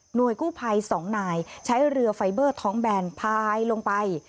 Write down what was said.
โดยกู้ภัย๒นายใช้เรือไฟเบอร์ท้องแบนพายลงไป